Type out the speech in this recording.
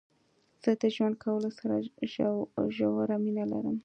زه د ژوند کولو سره ژوره مينه لرم.